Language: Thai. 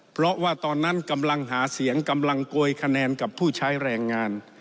เพราะว่าตอนนั้นกำลังหาเสียงกำลังโกยคะแนนกับผู้ใช้แรงงาน